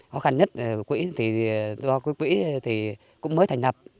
khó khăn nhất của quỹ thì do quỹ thì cũng mới thành lập